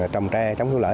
trồng tre chống thu lỡ